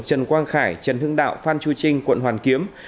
trần quang khải trần hưng đạo phan chu trinh quận hoàn kiếm